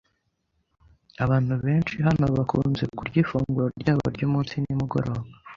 Abantu benshi hano bakunze kurya ifunguro ryabo ryumunsi nimugoroba.